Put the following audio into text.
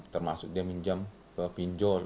termasuk dia pinjam ke pinjol